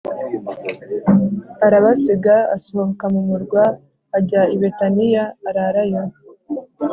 Arabasiga asohoka mu murwa, ajya i Betaniya ararayo